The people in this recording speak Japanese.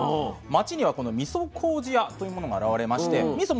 町にはこのみそこうじ屋というものが現れましてみそ